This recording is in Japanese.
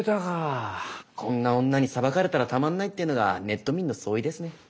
こんな女に裁かれたらたまんないっていうのがネット民の総意ですね。